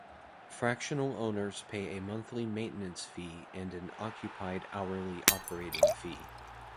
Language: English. Fractional Owners pay a monthly maintenance fee and an "occupied" hourly operating fee.